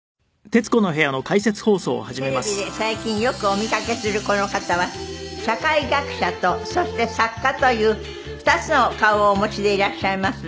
テレビで最近よくお見かけするこの方は社会学者とそして作家という２つの顔をお持ちでいらっしゃいます。